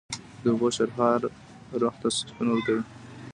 د اوبو شرهار روح ته سکون ورکوي